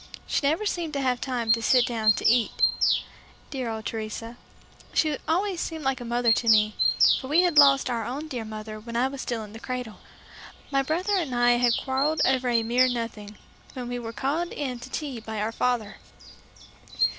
She never seemed to have time to sit down to eat Dear old Teresa! She always seemed like a mother to me, for we had lost our own dear mother when I was still in the cradle. My brother and I had quarrelled over a mere nothing, when we were called in to tea by our father.